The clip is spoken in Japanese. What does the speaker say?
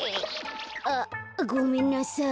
あごめんなさい。